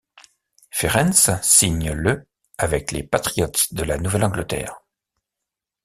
Ferentz signe le avec les Patriots de la Nouvelle-Angleterre.